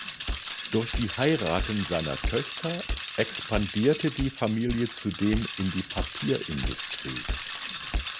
Durch die Heiraten seiner Töchter expandierte die Familie zudem in die Papierindustrie.